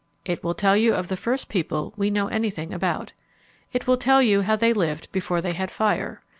It will tell you of the first people we know anything about. It will tell you how they lived before they had fire.